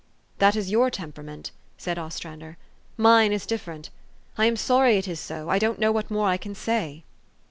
"That is your temperament," said Ostrander : "mine is different. I am sorry it is so. I don't know what more I can say."